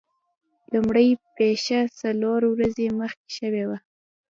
لومړۍ پیښه څلور ورځې مخکې شوې وه.